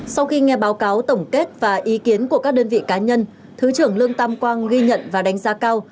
sau khi nghe báo cáo tổng kết và ý kiến của các đơn vị cá nhân thứ trưởng lương tam quang ghi nhận và đánh giá cao